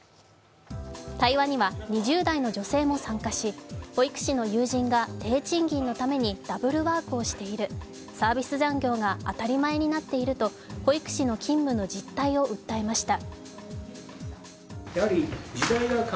対話には２０代の女性も参加し、保育士の友人が低賃金のためにダブルワークをしている、サービス残業が当たり前になっていると保育士の勤務の実態を訴えました。